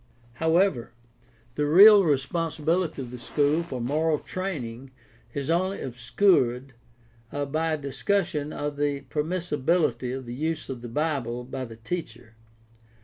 However, the real responsibility of the school for moral training is only obscured by a discussion of the permissibility of the use of the Bible by the teacher.